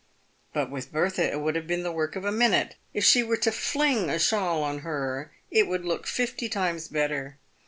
But with Bertha it would have been the work of a minute. If she were to fling a shawl on her, it would look fifty times better.